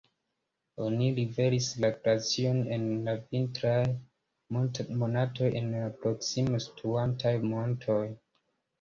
Oni liveris la glacion en la vintraj monatoj el la proksime situantaj montoj.